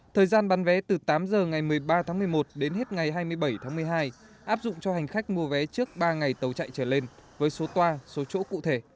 thời gian bán vé từ tám giờ ngày một mươi ba tháng một mươi một đến hết ngày hai mươi bảy tháng một mươi hai áp dụng cho hành khách mua vé trước ba ngày tàu chạy trở lên với số toa số chỗ cụ thể